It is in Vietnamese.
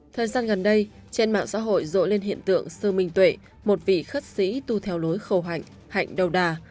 thời gian gần đây trên mạng xã hội rội lên hiện tượng sư minh tuệ một vị khất sĩ tu theo lối khẩu hạnh hạnh đầu đà